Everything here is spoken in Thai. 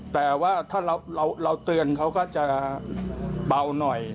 แต่ว่าถ้าเราเตือนเขาก็จะเบาหน่อย